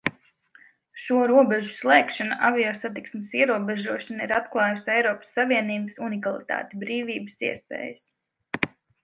Šo robežu slēgšana, aviosatiksmes ierobežošana ir atklājusi Eiropas Savienības unikalitāti, brīvības iespējas.